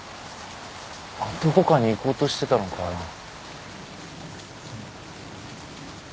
どこかに行こうとしてたのかな。